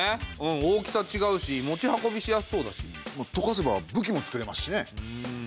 大きさちがうし持ち運びしやすそうだし。とかせば武器も作れますしね。